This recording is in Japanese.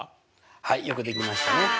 はいよくできましたね。